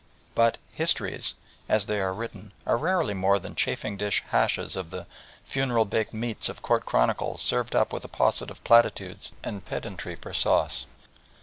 But histories, as they are written, are rarely more than chafing dish hashes of the "funeral baked meats" of court chronicles served up with a posset of platitudes and pedantry for sauce.